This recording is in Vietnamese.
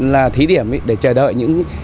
là thí điểm để chờ đợi